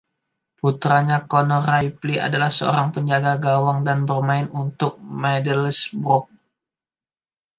Putranya, Connor Ripley, adalah seorang penjaga gawang dan bermain untuk Middlesbrough.